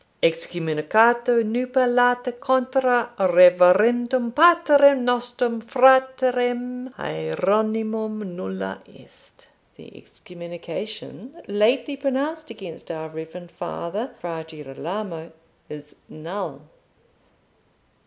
"Excommunicato nuper lata contra Reverendum Patrem nostrum Fratrem Hieronymum nulla est: the excommunication lately pronounced against our reverend father, Fra Girolamo, is null.